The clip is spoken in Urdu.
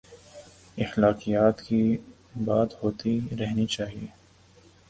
اخلاقیات کی بات ہوتی رہنی چاہیے۔